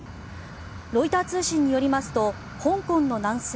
ロイター通信によりますと香港の南西